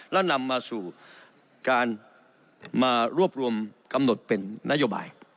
และนำมาสู่การมารวบรวมกำหนดเป็นนโยบาย